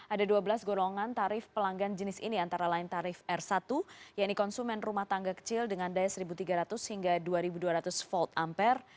ada dua belas golongan tarif pelanggan jenis ini antara lain tarif r satu yaitu konsumen rumah tangga kecil dengan daya seribu tiga ratus hingga dua dua ratus volt ampere